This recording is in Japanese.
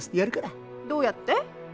どうやって？